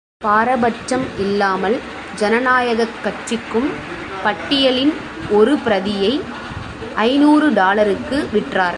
பாரபட்சம் இல்லாமல் ஜனநாயகக் கட்சிக்கும் பட்டியலின் ஒரு பிரதியை ஐநூறு டாலருக்கு விற்றார்.